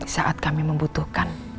saat kami membutuhkan